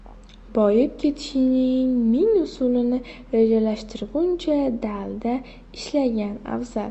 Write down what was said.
• Boyib ketishning ming usulini rejalashtirguncha dalada ishlagan afzal.